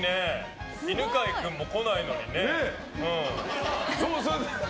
犬飼君、来ないのにね。